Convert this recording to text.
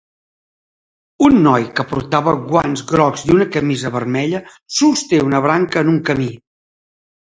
Un noi que portava guants grocs i una camisa vermella sosté una branca en un camí.